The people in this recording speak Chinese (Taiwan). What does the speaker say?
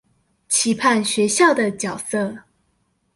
期盼學校的角色